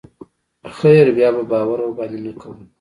خير بيا به باور ورباندې نه کوم.